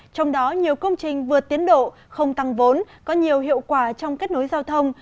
trong đó nhiều công trình vượt tiến độ không tăng vốn có nhiều hiệu quả trong kết nối giao thông